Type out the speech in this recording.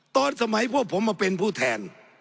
ตอนสมัยพวกผมมาเป็นผู้แทน